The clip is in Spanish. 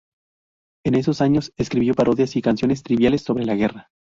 En esos años escribió parodias y canciones triviales sobre la guerra.